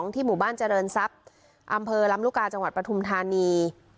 ที่หมู่บ้านเจริญทรัพย์อำเภอลำลูกกาจังหวัดปฐุมธานี